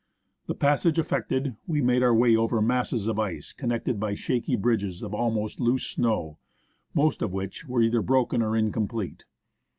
The passage effected, we made our way over masses of ice connected by shaky bridges of almost loose snow, most of which were either broken or incomplete.